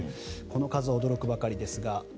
この数、驚くばかりですが。